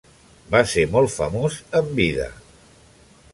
Va ser molt famós en vida.